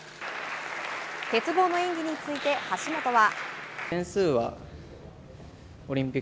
鉄棒の演技について橋本は。